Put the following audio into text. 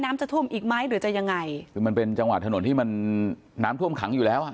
จะท่วมอีกไหมหรือจะยังไงคือมันเป็นจังหวะถนนที่มันน้ำท่วมขังอยู่แล้วอ่ะ